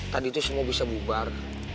tadi itu semua bisa bubar